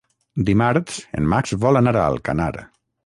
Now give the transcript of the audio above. Dimarts en Max vol anar a Alcanar.